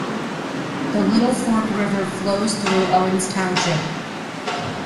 The Little Fork River flows through Owens Township.